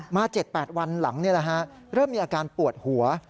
๗๘วันหลังเริ่มมีอาการปวดหัว